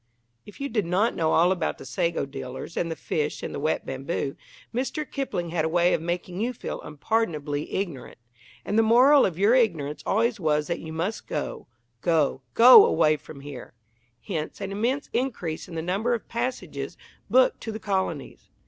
If you did not know all about the sago dealers and the fish and the wet bamboo, Mr. Kipling had a way of making you feel unpardonably ignorant; and the moral of your ignorance always was that you must "go go go away from here." Hence an immense increase in the number of passages booked to the colonies.